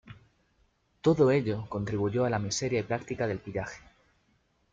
Todo ello contribuyó a la miseria y práctica del pillaje.